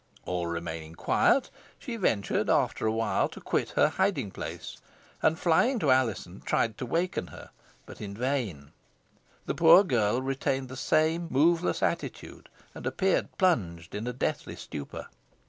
All remaining quiet, she ventured, after awhile, to quit her hiding place, and flying to Alizon, tried to waken her, but in vain. The poor girl retained the same moveless attitude, and appeared plunged in a deathly stupor.